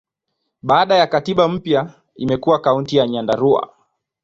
Baada ya katiba mpya, imekuwa Kaunti ya Nyandarua.